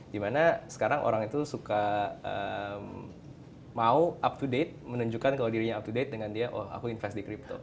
dimana sekarang orang itu suka mau up to date menunjukkan kalau dirinya up to date dengan dia oh aku invest di crypto